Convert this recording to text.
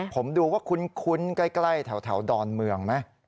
ผมดูว่าคุ้นใกล้แถวดอนเมืองไหม